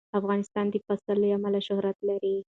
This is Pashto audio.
افغانستان د پسه له امله شهرت لري.